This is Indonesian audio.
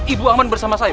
ibu aman bersama saya